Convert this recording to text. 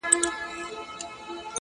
په یوه ګړي یې مرګ ته برابر کړ،